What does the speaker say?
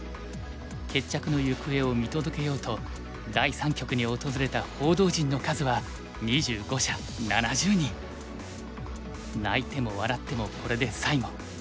決着の行方を見届けようと第三局に訪れた報道陣の数は泣いても笑ってもこれで最後。